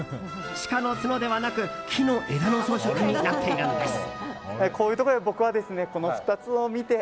シカの角ではなく木の枝の装飾になっているんです。